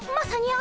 あ！